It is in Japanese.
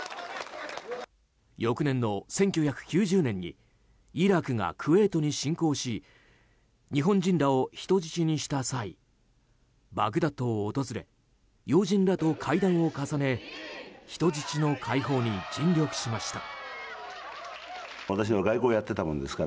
翌年の１９９９年にイラクがクウェートに侵攻し日本人らを人質にした際バグダッドを訪れ要人らと会談を重ね人質の解放に尽力しました。